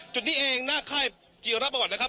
จุดนี้เองหน้าค่ายจีรประวัตินะครับ